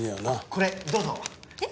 これどうぞ。えっ？